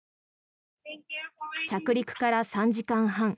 着陸から３時間半。